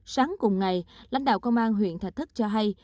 sáng cùng ngày lãnh đạo công an huyện thạch thất cho hay